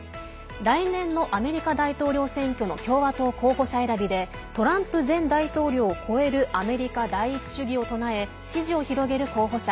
来年のアメリカ大統領選挙の共和党候補者選びでトランプ前大統領を超えるアメリカ第一主義を唱え支持を広げる候補者。